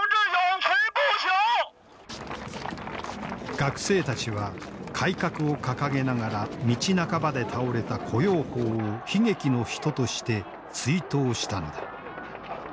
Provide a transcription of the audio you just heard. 学生たちは改革を掲げながら道半ばで倒れた胡耀邦を悲劇の人として追悼したのだ。